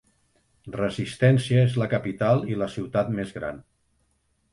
Resistencia és la capital i la ciutat més gran.